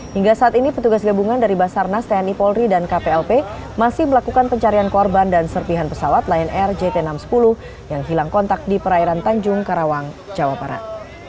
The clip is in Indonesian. hingga saat ini petugas gabungan dari basarnas tni polri dan kplp masih melakukan pencarian korban dan serpihan pesawat lion air jt enam ratus sepuluh yang hilang kontak di perairan tanjung karawang jawa barat